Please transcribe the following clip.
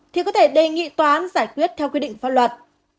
thì có thể đề nghị toán giải quyết theo quy định pháp luật